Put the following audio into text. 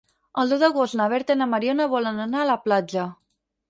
El deu d'agost na Berta i na Mariona volen anar a la platja.